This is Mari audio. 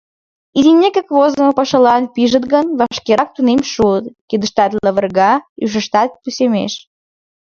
Изинекак возымо пашалан пижыт гын, вашкерак тунем шуыт, кидыштат лывырга, ушыштат пӱсемеш...